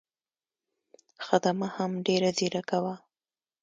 خدمه هم ډېره ځیرکه وه.